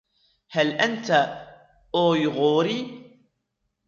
هل أنت أويغوري ؟